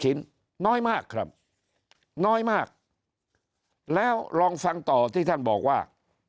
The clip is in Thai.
ชิ้นน้อยมากครับน้อยมากแล้วลองฟังต่อที่ท่านบอกว่า